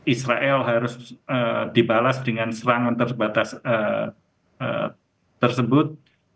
israel harus dibalas dengan serangan terbatas tersebut